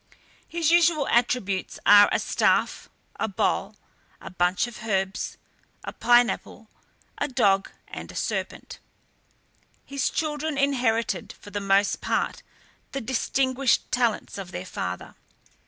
His usual attributes are a staff, a bowl, a bunch of herbs, a pineapple, a dog, and a serpent. His children inherited, for the most part, the distinguished talents of their father.